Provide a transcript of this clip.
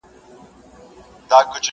ورښكاره چي سي دښمن زړه يې لړزېږي٫